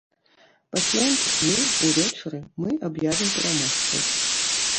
Пасля інтэрв'ю, увечары, мы аб'явім пераможцаў!